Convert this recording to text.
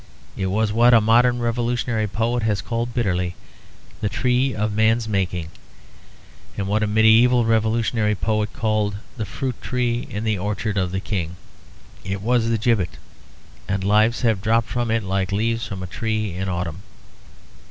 It was what a modern revolutionary poet has called bitterly the Tree of Man's Making; and what a medieval revolutionary poet called the fruit tree in the orchard of the king. It was the gibbet; and lives have dropped from it like leaves from a tree in autumn.